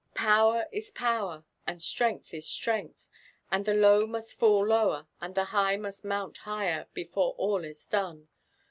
" Power is power, and strength is strength ; and the low mutt fall lower, and the high must mount higher, before til is dose.